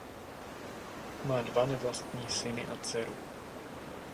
Má dva nevlastní syny a dceru.